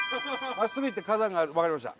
真っすぐ行って花壇があるわかりました。